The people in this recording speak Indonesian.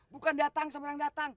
bukan datang sembarang datang